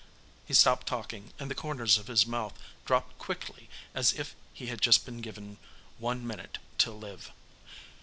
He stopped talking and the corners of his mouth dropped quickly as if he had just been given one minute to live.